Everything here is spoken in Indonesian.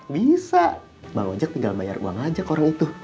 bisa bang ojek tinggal bayar uang aja ke orang itu